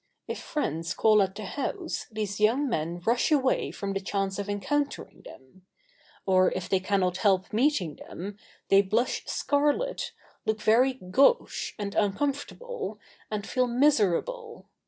If friends call at the house these young men rush away from the chance of encountering them; or, if they cannot help meeting them, they blush scarlet, look very gauche and uncomfortable, and feel miserable.